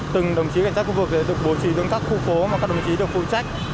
từng đồng chí cảnh sát khu vực được bố trí trong các khu phố mà các đồng chí được phụ trách